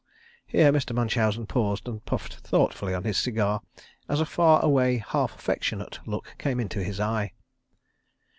Here Mr. Munchausen paused and puffed thoughtfully on his cigar as a far away half affectionate look came into his eye.